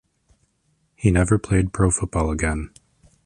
He never played pro football again.